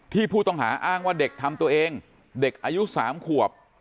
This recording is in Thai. ผู้ต้องหาอ้างว่าเด็กทำตัวเองเด็กอายุ๓ขวบ